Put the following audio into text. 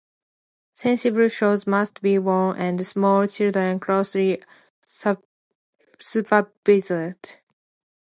Sensible shoes must be worn and small children closely supervised.